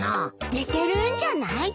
寝てるんじゃない？